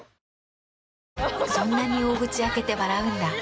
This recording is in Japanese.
そんなに大口開けて笑うんだ。